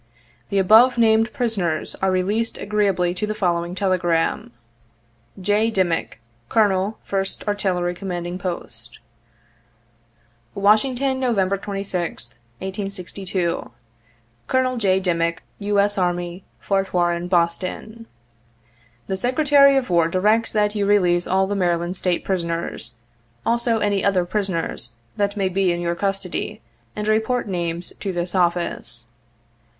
The above named prisoners are released agreeably to the following telegram. " J. Dimick, Col. 1st Art'y Com. Post. 89 ' Washington, Nov. 26th, 1862. 1 Col. J. Dimick, U. S. Army, Fort Warren, Boston: ' The Secretary of War directs that you release all the Mary land State prisoners, also any other prisoners that may be in your custody and report names to this office.